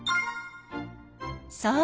そう。